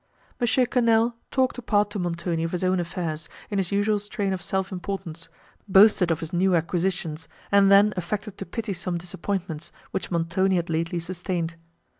Mons. Quesnel talked apart to Montoni of his own affairs, in his usual strain of self importance; boasted of his new acquisitions, and then affected to pity some disappointments, which Montoni had lately sustained.